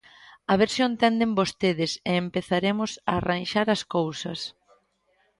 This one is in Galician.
A ver se o entenden vostedes e empezaremos a arranxar as cousas.